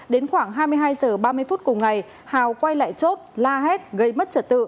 đến khoảng hai mươi hai h ba mươi phút cùng ngày hào quay lại chốt la hét gây mất trật tự